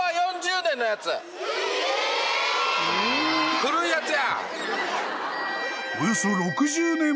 古いやつや。